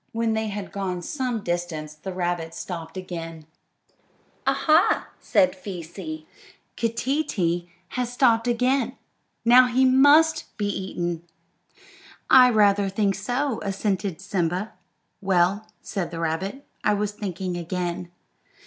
When they had gone some distance the rabbit stopped again. "Aha!" said Feesee; "Keeteetee has stopped again. Now he must be eaten." "I rather think so," assented Simba. "Well," said the rabbit, "I was thinking again."